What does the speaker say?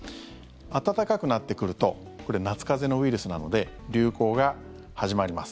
暖かくなってくるとこれ、夏風邪のウイルスなので流行が始まります。